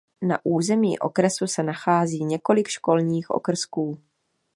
Na území okresu se nachází několik školních okrsků.